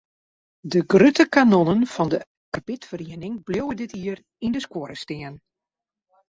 De grutte kanonnen fan de karbidferiening bliuwe dit jier yn de skuorre stean.